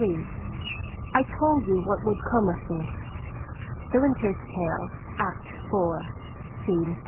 * I told you what would come of this/ The Winter's Tale^ Act 4, Scene iii.